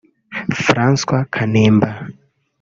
Francois Kanimba